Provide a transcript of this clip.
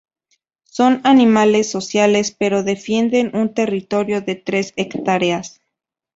Son animales sociales pero defienden un territorio de tres hectáreas.